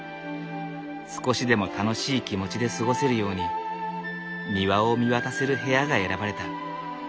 少しでも楽しい気持ちで過ごせるように庭を見渡せる部屋が選ばれた。